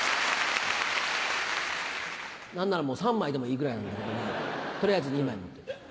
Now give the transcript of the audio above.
何ならもう３枚でもいいぐらいなんだけど取りあえず２枚。